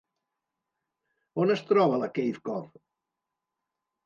On est troba la Cave Cove?